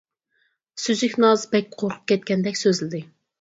سۈزۈك ناز بەك قورقۇپ كەتكەندەك سۆزلىدى.